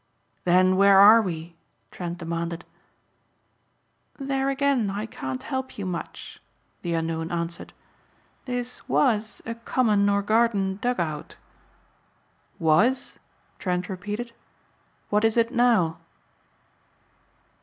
"Then where are we?" Trent demanded. "There again I can't help you much," the unknown answered. "This was a common or garden dug out." "Was," Trent repeated, "What is it now?"